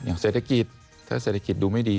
เศรษฐกิจถ้าเศรษฐกิจดูไม่ดี